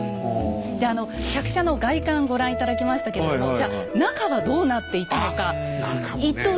であの客車の外観ご覧頂きましたけどもじゃ中はどうなっていたのか。